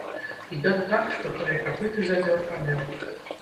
І даў так, што той і капыты задзёр, памёр.